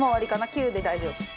９で大丈夫。